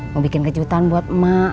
mau bikin kejutan buat emak